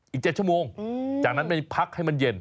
อีก๗ชั่วโมงจากนั้นไปพักให้มันเย็น